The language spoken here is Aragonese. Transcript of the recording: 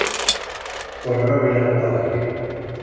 Correba bella gota d'aire.